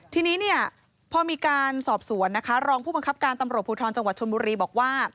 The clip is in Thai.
ทีนี้เนี่ยพอมีการสอบสวนนะคะรองผู้บังคับการตำรวจภูทรจังหวัดชนบุรีบอกว่า